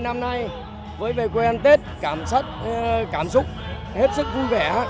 ba mươi năm nay với về quê ăn tết cảm xúc hết sức vui vẻ